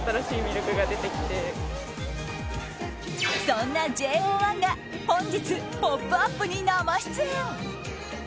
そんなＪＯ１が本日、「ポップＵＰ！」に生出演。